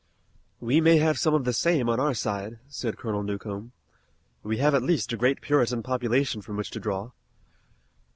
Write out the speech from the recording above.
"We may have some of the same on our side," said Colonel Newcomb. "We have at least a great Puritan population from which to draw."